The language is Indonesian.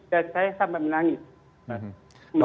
dan saya sampai menangisnya